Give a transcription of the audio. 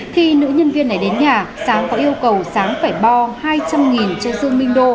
khi nữ nhân viên này đến nhà sáng có yêu cầu sáng phải bo hai trăm linh cho dương minh đô